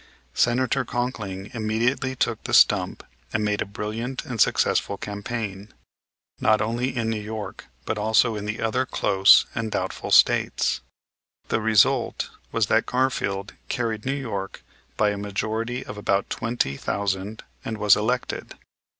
Senator Conkling immediately took the stump and made a brilliant and successful campaign, not only in New York but also in the other close and doubtful States. The result was that Garfield carried New York by a majority of about twenty thousand and was elected.